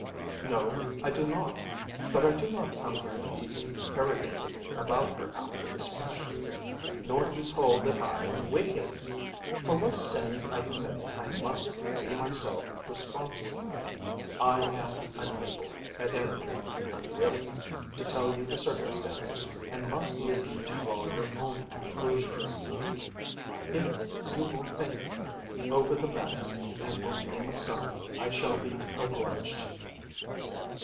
"No, I do not. But I do not come here to be interrogated about her after this fashion, nor to be told that I am wicked. For what sins I commit I must be myself responsible. I am unable, at any rate unwilling, to tell you the circumstances, and must leave you to draw your own conclusions. If you will think over the matter, and will name a sum, I shall be obliged to you."